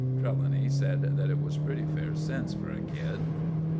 Trelawny said that was pretty fair sense for a kid.)